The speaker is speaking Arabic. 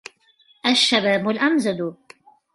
الشباب الأمجدُ